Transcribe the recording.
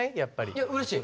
いやうれしい。